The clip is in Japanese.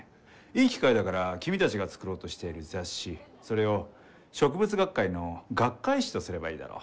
いい機会だから君たちが作ろうとしている雑誌それを植物学会の学会誌とすればいいだろう。